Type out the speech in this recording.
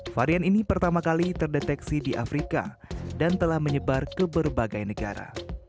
varian ini pertama kali terdeteksi di afrika dan telah menyebar ke berbagai negara